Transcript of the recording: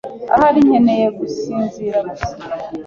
Ahari nkeneye gusinzira gusa.